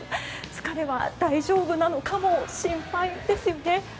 疲れは大丈夫なのかも心配ですよね。